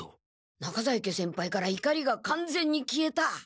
中在家先輩からいかりがかんぜんに消えた。